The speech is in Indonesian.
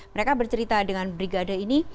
mereka bercerita dengan brigade ini